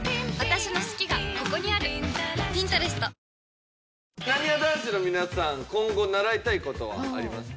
なにわ男子の皆さん今後習いたい事はありますか？